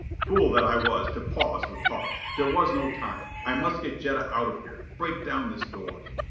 Fool that I was, to pause with talk! There was no time: I must get Jetta out of here. Break down this door.